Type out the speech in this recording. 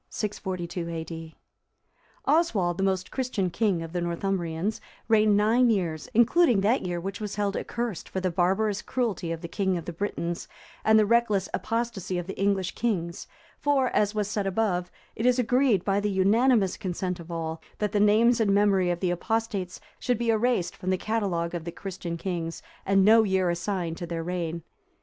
[642 A.D.] Oswald, the most Christian king of the Northumbrians, reigned nine years, including that year which was held accursed for the barbarous cruelty of the king of the Britons and the reckless apostacy of the English kings; for, as was said above,(339) it is agreed by the unanimous consent of all, that the names and memory of the apostates should be erased from the catalogue of the Christian kings, and no year assigned to their reign.